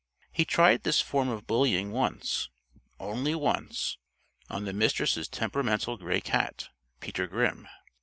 He tried this form of bullying once only once on the Mistress' temperamental gray cat, Peter Grimm.